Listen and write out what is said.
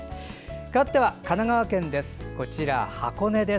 かわっては、神奈川県こちら箱根です。